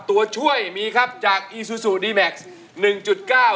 ไม่ใช่ค่ะไม่ใช่ค่ะ